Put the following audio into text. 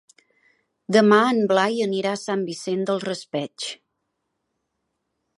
Demà en Blai anirà a Sant Vicent del Raspeig.